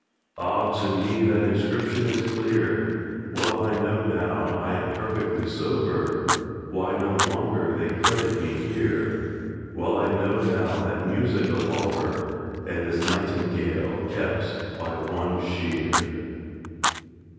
Ah! to me that inscription is clear; Well I know now, I'm perfectly sober, Why no longer they credit me here, Well I know now that music of Auber, And this Nightingale, kept by one Shear."